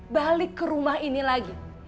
balik ke rumah ini lagi